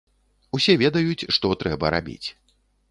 Усе ведаюць, што трэба рабіць.